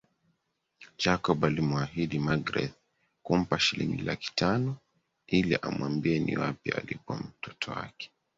Jacob alimuahidi Magreth kumpa shilingi laki tano ili amwambie ni wapi alipo mtoto wake